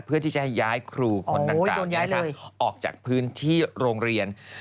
เพื่อที่จะให้ย้ายครูคนดังกล่าวออกจากพื้นที่โรงเรียน